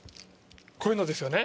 こういうのですよね。